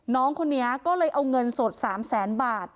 น้องคนนี้ก็เลยเอาเงินสด๓แสนบาท